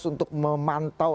bahkan terlebih dahulu